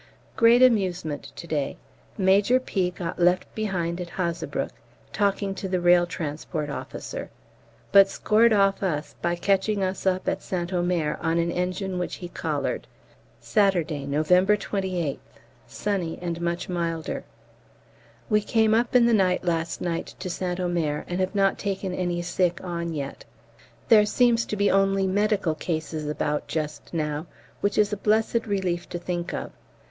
Great amusement to day. Major P. got left behind at Hazebrouck, talking to the R.T.O., but scored off us by catching us up at St Omer on an engine which he collared. Saturday, November 28th. Sunny and much milder. We came up in the night last night to St Omer, and have not taken any sick on yet. There seems to be only medical cases about just now, which is a blessed relief to think of.